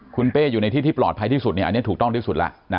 คุณเป้อยู่ในที่ที่ปลอดภัยที่สุดอันนี้ถูกต้องที่สุดแล้ว